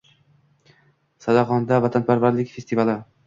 “Sazag‘on”da vatanparvarlik festivali